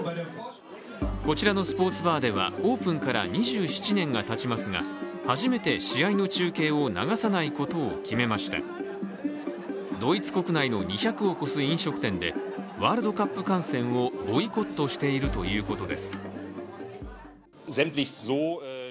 こちらのスポーツバーでは、オープンから２７年がたちますが初めて試合の中継を流さないことを決めましたドイツ国内の２００を超す飲食店でワールドカップ観戦をボイコットしているということです。